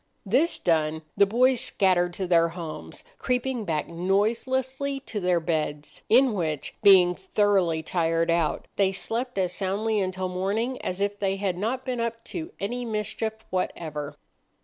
This done, the boys scattered to their homes, creeping back noiselessly to their beds, in which, being thoroughly tired out, they slept as soundly until morning as if they had not been up to any mischief whatever.